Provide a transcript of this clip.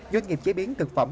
doanh nghiệp chế biến thực phẩm